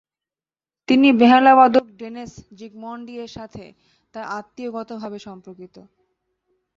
তিনি বেহালাবাদক ডেনেস জিগমন্ডি এর সাথে তার আত্মীয়গতভাবে সম্পর্কিত।